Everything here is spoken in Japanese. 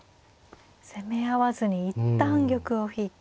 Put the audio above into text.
攻め合わずに一旦玉を引いて。